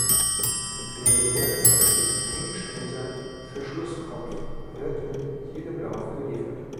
Der werkseitig eingestellter Verschlusskopf wird mit jedem Lauf geliefert.